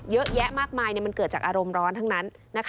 เยอะแยะมากมายมันเกิดจากอารมณ์ร้อนทั้งนั้น